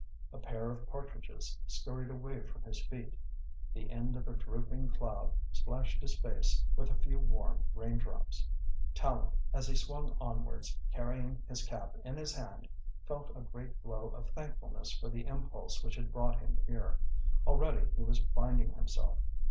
A pair of partridges scurried away from his feet; the end of a drooping cloud splashed his face with a few warm raindrops. Tallente, as he swung onwards, carrying his cap in his hand, felt a great glow of thankfulness for the impulse which had brought him here. Already he was finding himself.